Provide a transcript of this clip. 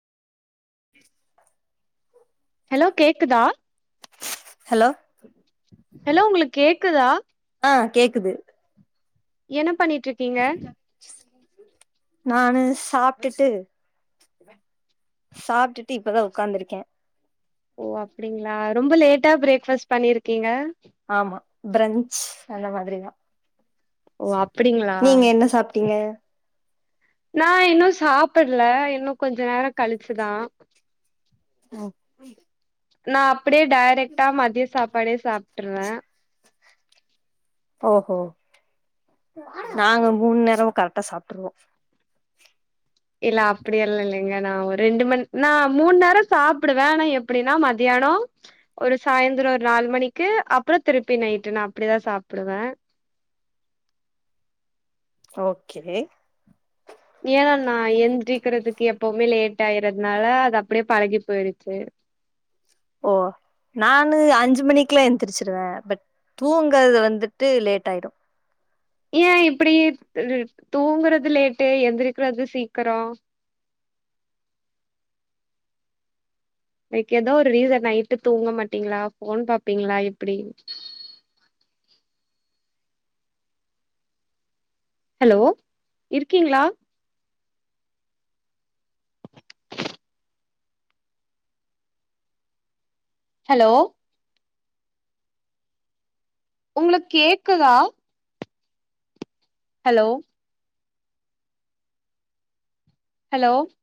hello கேக்குதா hello hello உங்களுக் கேக்குதா ஆஹ் கேக்குது என்ன பண்ணிட் நானு சாப்டுட்டு சாப்டுட்டு இப்பதா ஒக்காந்துருக்கே ஓ அப்டிங்ளா ரொம்ப லேட்டா பிரேக் ஃபஸ்ட் பண்ணிருக்கீங்க ஆமா ப்ரெஞ்ச் அந்த மாதிரிதா ஓ அப்டிங்களா நீங்க என்ன சாப்ட்டீங்க நா இன்னு சாப்பிட்ல இன்னு கொஞ்ச நேர கழிச்சுதா ஓ நா அப் ப்டியே டேரெக்ட்டா மதிய சாப்பாடே சாப்ட்ருவே ஓஹோ நாங்க மூணு நேரமு கரெக்டா சாப்ட்ருவோ இல்ல அப்டியெல்லா இல்லைங்க நா ரெண்டு மண் நா மூணு நேர சாப்புடுவே ஆனா எப்டினா மத்தியான ஒரு சாய்ந்ரோ ஒரு நாலு மணிக்கு அப்றோ திருப்பி நைட்டு நா அப்டிதா சாப்புடுவே ஓகேங்க ஏனா நா எந்திரிக்றதுக்கு எப்பவ்மே லேட் ஆய்றத்னால அது அப்டியே பழகி போயிருச்சு ஓ நானு அஞ்சு மணிக்லா எந்திரிச்சிருவே பட் தூங்கறது வந்துட்டு லேட் ஆய்டு ஏ இப்டி உம் தூங்குறது லேட்டு எந்திரிக்றது சீக்கரோ லைக் எதோ ஒரு ரீசன் நைட்டு தூங்க மாட்டீங்ளா ஃபோன் பாப்பீங்ளா இப்டி ஹலோ இருக்கீங்ளா ஹலோ உங்களுக் கேக்குதா ஹலோ ஹலோ